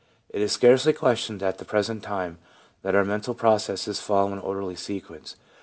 It is scarcely questioned at the present time that all our mental processes follow an orderly sequence.